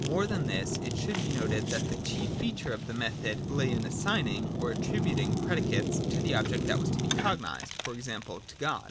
More than this, it should be noted that the chief feature of the method lay in ' assigning ' or ' attributing ' 1 predicates to the object that was to be cognised, for example, , to God.